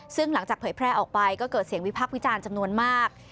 ซึ่งหลังจากเผยแพร่ออกไปก็เกิดเสียงวิพักษ์วิจารณ์จำนวนมาก